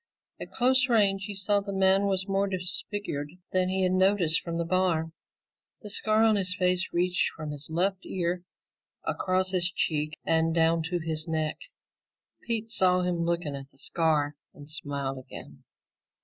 At close range, he saw the man was more disfigured than he had noticed from the bar. The scar on his face reached from his left ear across his cheek and down to his neck. Pete saw him looking at the scar and smiled again.